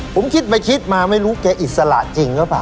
ผมคิดไปคิดมาไม่รู้แกอิสระจริงหรือเปล่า